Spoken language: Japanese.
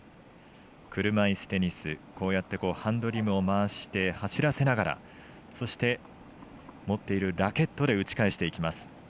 車いすテニスハンドリムを回して走らせながらそして持っているラケットで打ち返していきます。